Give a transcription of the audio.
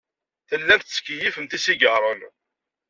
Tellamt tettkeyyifemt isigaṛen.